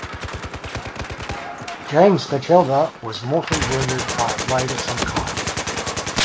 James Batchelder was mortally wounded by a blade of some kind.